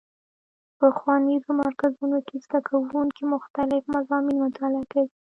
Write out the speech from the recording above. په ښوونیزو مرکزونو کې زدهکوونکي مختلف مضامین مطالعه کوي.